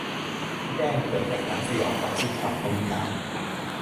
ที่แจ้งเกิดจากหนังสยองขวัญสุดหักมุมอย่าง